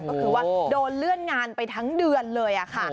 ก็คือว่าโดนเลื่อนงานไปทั้งเดือนเลยค่ะ